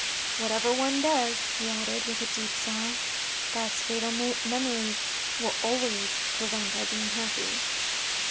"Whatever one does," he added, with a deep sigh, "ths fatal memory will always prevent our being happy."